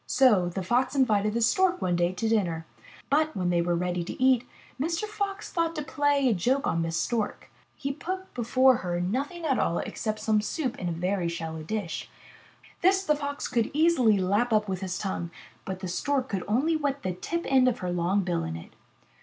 So the Fox invited the Stork one day to dinner. But, when they were ready to eat, Mr. Fox thought to play a joke on Miss Stork. He put before her nothing at all except some soup in a very shallow dish. This the Fox could easily lap up with his tongue, but the Stork could only wet the tip end of her long bill in it.